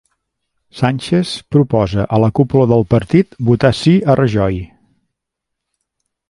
Sánchez proposa a la cúpula del partit votar sí a Rajoy